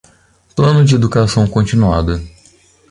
Plano de educação continuada.